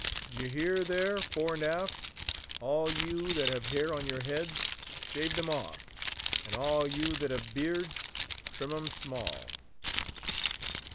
"D'ye hear there, fore and aft? All you that have hair on your heads, shave them off; and all you that have beards, trim 'em small!"